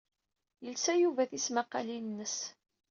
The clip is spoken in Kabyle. Yelsa Yuba tismaqqalin-nnes.